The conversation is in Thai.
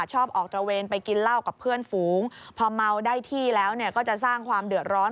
ชอบออกตระเวนไปกินเหล้ากับเพื่อนฝูงพอเมาได้ที่แล้วก็จะสร้างความเดือดร้อน